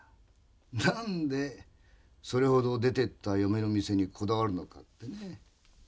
何でそれほど出てった嫁の店にこだわるのかってね。